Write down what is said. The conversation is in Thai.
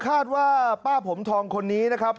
คาดว่าป้าผมทองคนนี้นะครับ